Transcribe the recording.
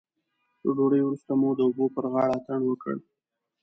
له ډوډۍ وروسته مو د اوبو پر غاړه اتڼ وکړ.